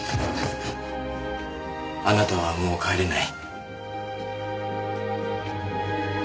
あなたはもう帰れない。